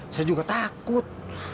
saya juga takut